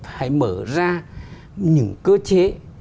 hãy mở ra những cơ chế